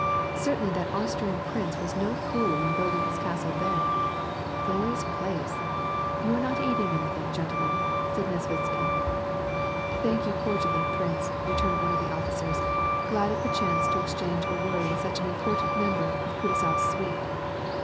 *" Certainly that Austrian prince was no fool in building his castle there. Glorious place !— You are not eating anything, gentlemen," said Nesvitsky. " Thank you cordially, prince," returned one of the officers, glad of the chance to exchange a word with such an important member of Kutuzof's suite.